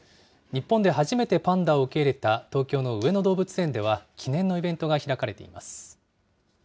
日本で初めてパンダを受け入れた東京の上野動物園では、記念のイベントが開かれています。